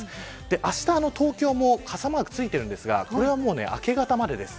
あした東京も傘マークついているんですがこれは明け方までです。